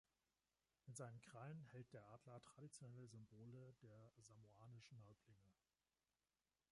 In seinen Krallen hält der Adler traditionelle Symbole der samoanischen Häuptlinge.